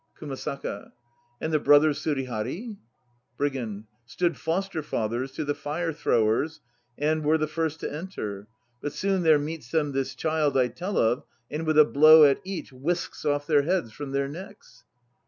KUMASAKA. And the brothers Surihari? BRIGAND. Stood foster fathers * to the fire throwers and were the first to enter. But soon there meets them this child I tell of and with a blow at each whisks off their heads from their necks.